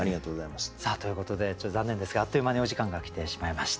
さあということでちょっと残念ですがあっという間にお時間が来てしまいました。